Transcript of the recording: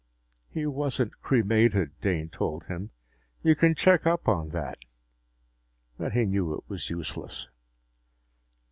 "He wasn't cremated," Dane told him. "You can check up on that." But he knew it was useless.